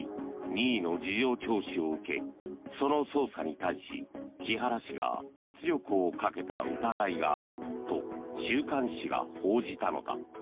任意の事情聴取を受けその捜査に対し、木原氏が圧力をかけた疑いがあると週刊誌が報じたのだ。